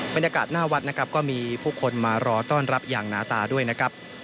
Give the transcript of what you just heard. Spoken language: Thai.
บรรยากาศหน้าวัดนะครับก็มีผู้คนมารอต้อนรับอย่างหนาตาด้วยนะครับ